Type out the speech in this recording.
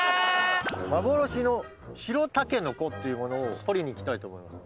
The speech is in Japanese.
幻の白たけのこっていうものを掘りに行きたいと思います。